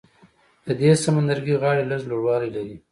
د دې سمندرګي غاړې لږ لوړوالی لري.